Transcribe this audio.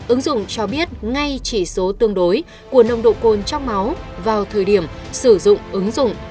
ứng dụng cho biết ngay chỉ số tương đối của nồng độ cồn trong máu vào thời điểm sử dụng ứng dụng